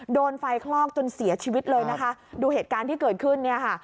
โดนไฟคลอกจนเสียชีวิตเลยนะคะดูเหตุการณ์ที่เกิดขึ้นเนี่ยค่ะ